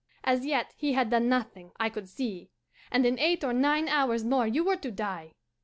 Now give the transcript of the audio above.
As yet he had done nothing, I could see, and in eight or nine hours more you were to die.